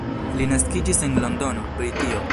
Li naskiĝis en Londono, Britio.